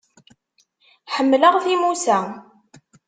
Ḥemmleɣ timusa.